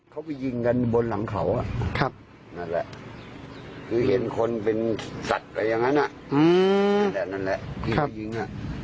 เขาไปยิงกันบนหลังเขานั่นแหละคือเห็นคนเป็นสัตว์อะไรอย่างนั้นนั่นแหละนั่นแหละที่ไปยิง